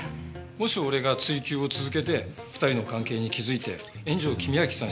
もし俺が追及を続けて２人の関係に気づいて円城公昭さん